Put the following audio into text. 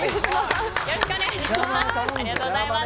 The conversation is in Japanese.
よろしくお願いします。